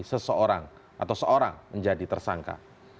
seseorang atau seorang menjadi tersangka